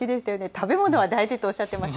食べ物は大事とおっしゃってまし